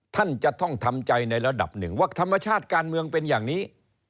ท่านจะต้องทำใจในระดับหนึ่งว่าธรรมชาติการเมืองเป็นอย่างนี้